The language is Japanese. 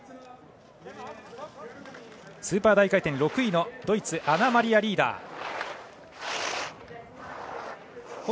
スーパー大回転６位のドイツアナマリア・リーダー。